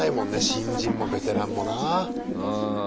新人もベテランもな。